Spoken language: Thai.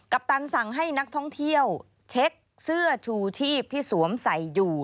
ปตันสั่งให้นักท่องเที่ยวเช็คเสื้อชูชีพที่สวมใส่อยู่